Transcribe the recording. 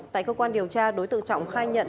tại cơ quan điều tra đối tượng trọng khai nhận